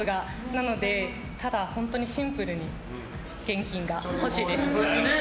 なので、ただ本当にシンプルに現金が欲しいです。